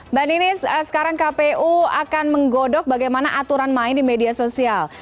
mbak ninis sekarang kpu akan menggodok bagaimana aturan main di media sosial